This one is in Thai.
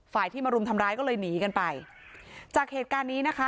ที่มารุมทำร้ายก็เลยหนีกันไปจากเหตุการณ์นี้นะคะ